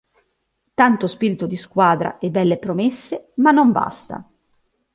Tanto spirito di squadra e belle promesse, ma non basta.